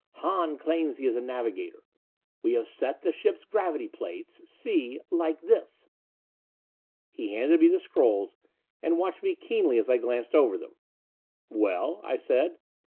Hahn claims he is a navigator. We have set the ship's gravity plates see, like this " He handed me the scrolls; he watched me keenly as I glanced over them. "Well?" I said.